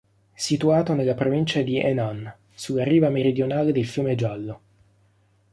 Situato nella provincia di Henan, sulla riva meridionale del Fiume Giallo.